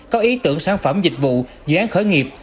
có ý tưởng sản phẩm dịch vụ dự án khởi nghiệp